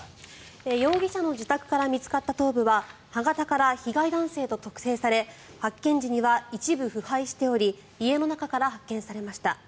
容疑者の自宅から見つかった頭部は歯型から被害男性と特定され発見時には一部腐敗しており家の中から発見されました。